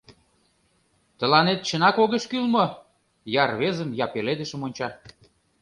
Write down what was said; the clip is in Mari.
— Тыланет чынак огеш кӱл мо? — я рвезым, я пеледышым онча.